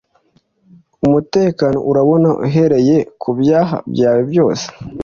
umutekano urabona uhereye ku byaha byawe byose